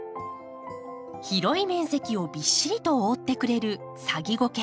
広い面積をびっしりと覆ってくれるサギゴケ。